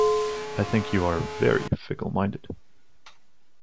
I think you are very fickle minded.